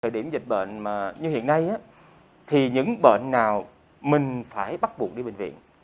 điểm dịch bệnh như hiện nay thì những bệnh nào mình phải bắt buộc đi bệnh viện